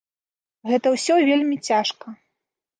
Гэта ўсё вельмі цяжка.